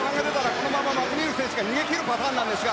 そのままいけばマクニール選手が逃げ切るパターンです。